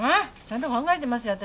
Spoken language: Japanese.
ちゃんと考えてますよ。